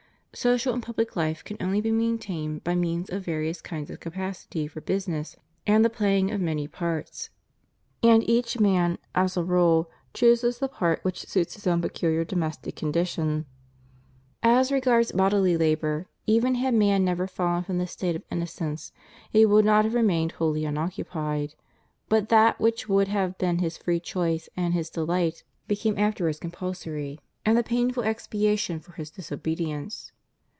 Social and public life can only be maintained by means of various kinds of capacuj'' for business and the playing of many parts; and each man, as a rule, chooses the part which suits his own peculiar domestic condition. As regards bodily labor, even had man never fallen from the state of innocence, he would not have remained wholly unoccupied ; but that which would then have been his free choice and his delight became afterwards compulsory, and the pain 218 CONDITION OF THE WORKING CLASSES. ful expiation for his disobedience.